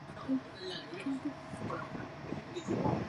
本德然人口变化图示